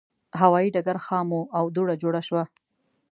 هوایي ډګر خام و او دوړه جوړه شوه.